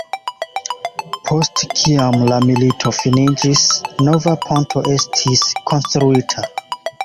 Post kiam la milito finiĝis, nova ponto estis konstruita.